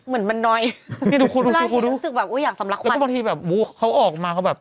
เหมือนมันน้อยรู้สึกแบบอุ๊ยอยากสำรับความแล้วบางทีแบบเขาออกมาเขาแบบ